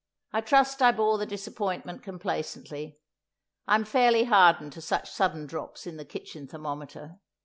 I trust I bore the disappointment complacently. I'm fairly hardened to such sudden drops in the kitchen thermometer.